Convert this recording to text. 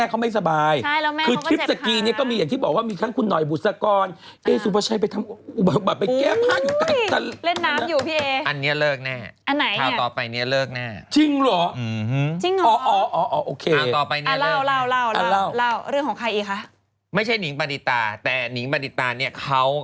เวลาที่ต่อไปเล่าเล่าเรื่องของใครอีกคะไม่ใช่หญิงบรรดิตาแต่หญิงบรรดิตาเนี่ยเขา